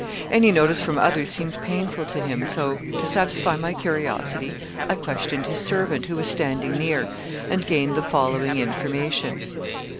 Any notice from others seemed painful to him; so to satisfy my curiosity, I questioned his servant, who was standing near, and gained the following information.